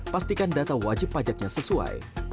pastikan data wajib pajaknya sesuai